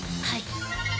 はい。